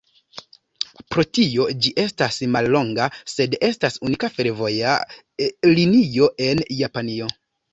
Pro tio ĝi estas mallonga, sed estas unika fervoja linio en Japanio.